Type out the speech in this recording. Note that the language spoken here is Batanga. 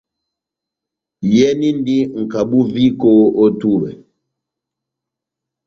Iyɛnindi nʼkabu viko ό túbɛ.